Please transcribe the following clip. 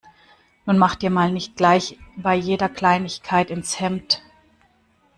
Nun mach dir mal nicht gleich bei jeder Kleinigkeit ins Hemd.